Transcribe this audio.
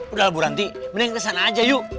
udah lah bu rante mending kesana aja yuk